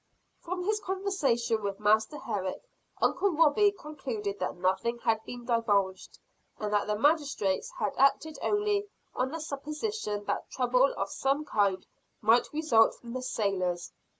From his conversation with Master Herrick, Uncle Robie concluded that nothing had been divulged; and that the magistrates had acted only on the supposition that trouble of some kind might result from the sailors.